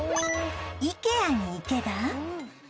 イケアに行けば